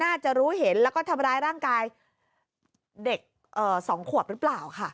น่าจะรู้เห็นแล้วก็ทำร้ายร่างกายเด็ก๒ขวบหรือเปล่าค่ะ